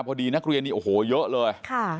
พอดีนักเรียนนี่โอ้โหเยอะเลย